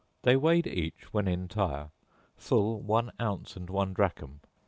They weighed each, when entire, full one ounce and one drachm.